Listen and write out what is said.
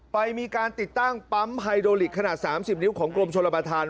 มีการติดตั้งปั๊มไฮโดลิกขนาด๓๐นิ้วของกรมชนประธาน